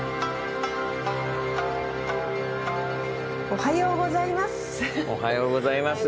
おはようございます！